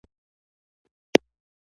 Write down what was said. اصلي واک له سنا سره و.